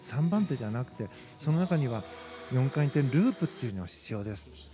３番手じゃなくてその中には４回転ループというのが必要です。